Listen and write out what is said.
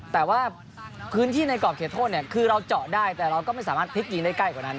แต่ว่าพื้นที่ในกรอบเขตโทษเนี่ยคือเราเจาะได้แต่เราก็ไม่สามารถพลิกยิงได้ใกล้กว่านั้น